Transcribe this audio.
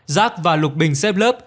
rác và lục bình xếp lớp